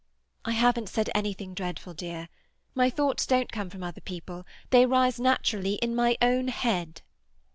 "I haven't said anything dreadful, dear. My thoughts don't come from other people; they rise naturally in my own head."